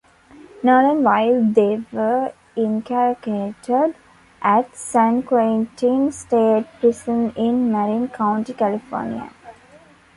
Nolen while they were incarcerated at San Quentin State Prison in Marin County, California.